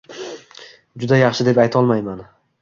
Juda yaxshi deb aytolmayman.